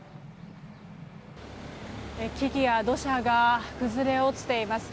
木々や土砂が崩れ落ちています。